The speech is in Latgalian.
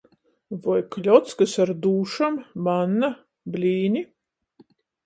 Voi kļockys ar dūšom, manna, blīni?